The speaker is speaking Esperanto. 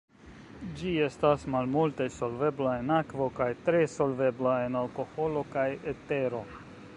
Ĝi estas malmulte solvebla en akvo kaj tre solvebla en alkoholo kaj etero.